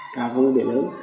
cả vấn đề lớn